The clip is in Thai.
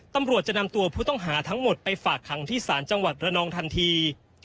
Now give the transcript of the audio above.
ตำรวจจะนำตัวผู้ต้องหาทั้งหมดไปฝากขังที่ศาลจังหวัดระนองทันที